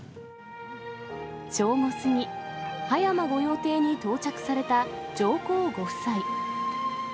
正午過ぎ、葉山御用邸に到着された上皇ご夫妻。